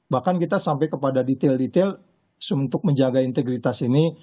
bahkan kita sampai kepada detail detail untuk menjaga integritas ini